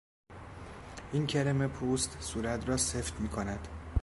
این کرم پوست صورت را سفت می کند.